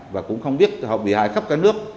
và cũng không biết học bị hại khắp cả nước